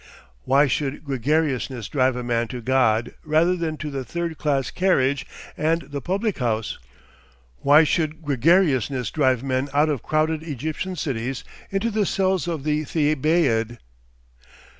Why should gregariousness drive a man to God rather than to the third class carriage and the public house? Why should gregariousness drive men out of crowded Egyptian cities into the cells of the Thebaid?